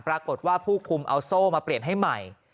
ปรากฏว่าผู้คุมเอาโซ่มาเปลี่ยนให้ใหม่